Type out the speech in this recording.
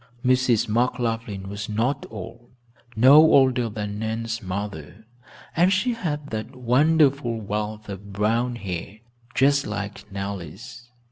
Mrs. McLaughlin was not old, no older than Nan's mother, and she had that wonderful wealth of brown hair, just like Nellie's.